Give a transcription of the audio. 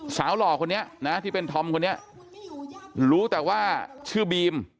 สาวหล่อคนเนี้ยนะครับที่เป็นธรรมคนนี้รู้แต่ว่าชื่อบีม